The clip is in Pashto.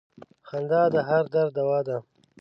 • خندا د هر درد دوا ده.